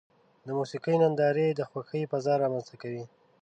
د موسیقۍ نندارې د خوښۍ فضا رامنځته کوي.